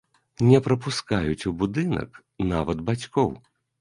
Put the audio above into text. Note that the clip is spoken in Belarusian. Не прапускаюць у будынак нават бацькоў.